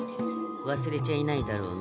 忘れちゃいないだろうね？